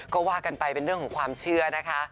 ก็ว่ากันไปเป็นเรื่องของความเชื่อนะคะ